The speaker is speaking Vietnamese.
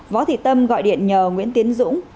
võ thị tâm gọi điện nhờ nguyễn tiến dũng